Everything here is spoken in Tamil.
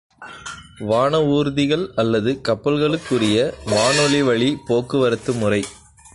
வானவூர்திகள் அல்லது கப்பல்களுக்குரிய வானொலிவழிப் போக்கு வரத்து முறை.